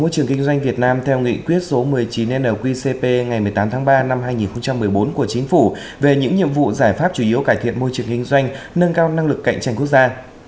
hội kinh doanh việt nam theo nghị quyết số một mươi chín nqcp ngày một mươi tám tháng ba năm hai nghìn một mươi bốn của chính phủ về những nhiệm vụ giải pháp chủ yếu cải thiện môi trường kinh doanh nâng cao năng lực cạnh tranh quốc gia